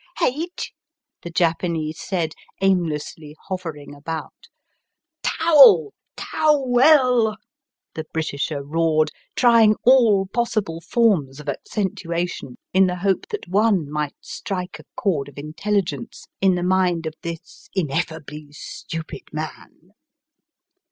"Heich?" the Japanese said, aimlessly hovering about. " Tow el 1 tow EL !'' the Britisher roared, trying aU possible forms of accentuation in the hope that one might strike a chord of inteUi gence in the mind of this ineflfably stupid man.